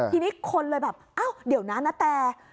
ทีนี้คนเลยแบบเดี๋ยวนะณแตน